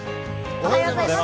おはようございます。